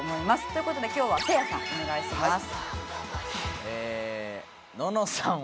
という事で今日はせいやさんお願いします。